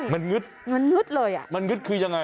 มันงึดมันงึดเลยอ่ะมันงึดคือยังไง